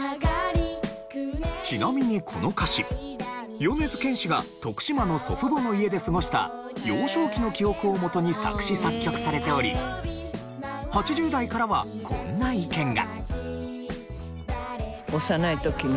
ちなみにこの歌詞米津玄師が徳島の祖父母の家で過ごした幼少期の記憶をもとに作詞作曲されており８０代からはこんな意見が。